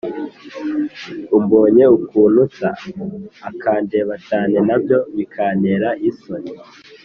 umbonye ukuntu nsa akandeba cyane nabyo bikantera isoni